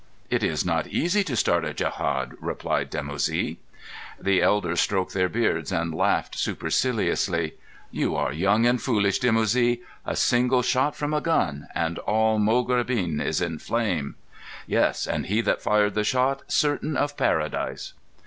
"It is not easy to start a djehad," replied Dimoussi. The elders stroked their beards and laughed superciliously. "You are young and foolish, Dimoussi. A single shot from a gun, and all Moghrebbin is in flame." "Yes; and he that fired the shot certain of Paradise."